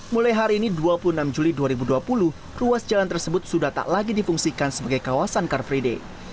mulai hari ini dua puluh enam juli dua ribu dua puluh ruas jalan tersebut sudah tak lagi difungsikan sebagai kawasan car free day